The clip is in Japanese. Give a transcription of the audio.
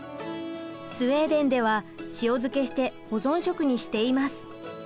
スウェーデンでは塩漬けして保存食にしています。